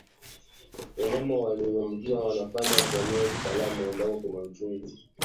Wanyama walioambukizwa wanafaa kuuawa kitaalamu ambako hakuna uchungu ili kupunguza maambukizi zaidi